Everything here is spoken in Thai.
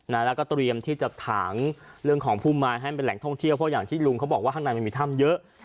แล้วก็เตรียมที่จะถางเรื่องของพุ่มไม้ให้มันเป็นแหล่งท่องเที่ยวเพราะอย่างที่ลุงเขาบอกว่าข้างในมันมีถ้ำเยอะ